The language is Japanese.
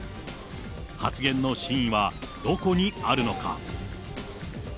発言の真意はどこにあるのか。